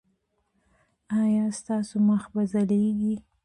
ایا ستاسو مخ به ځلیږي؟